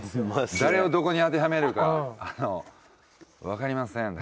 誰をどこに当てはめるかあのわかりません。